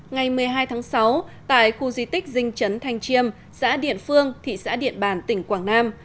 ngày một mươi hai tháng sáu tại khu di tích dinh chấn thanh chiêm xã điện phương thị xã điện bàn tỉnh quảng nam